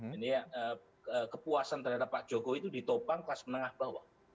jadi kepuasan terhadap pak jokowi itu ditopang kelas menengah bawah